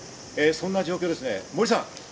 そんな状況ですね、森さん。